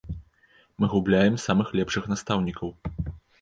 Мы губляем самых лепшых настаўнікаў.